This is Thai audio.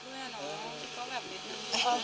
ก็แบบนิดนึง